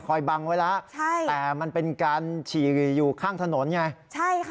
บังไว้แล้วใช่แต่มันเป็นการฉี่อยู่ข้างถนนไงใช่ค่ะ